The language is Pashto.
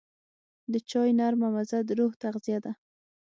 د چای نرمه مزه د روح تغذیه ده.